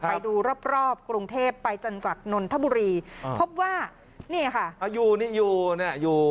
ไปดูรอบรอบกรุงเทพไปจังหวัดนนทบุรีพบว่านี่ค่ะอ่าอยู่นี่อยู่เนี่ยอยู่